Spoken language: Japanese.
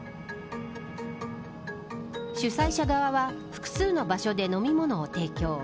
主催者側は複数の場所で飲み物を提供。